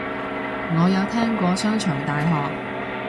我有聽過商場大學